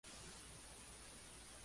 Sin embargo, Tamura "et al.